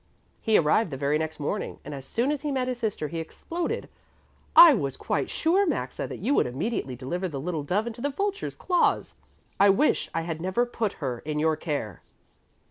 He arrived the very next morning, and as soon as he met his sister, he exploded: "I was quite sure, Maxa, that you would immediately deliver the little dove into the vulture's claws. I wish I had never put her in your care!"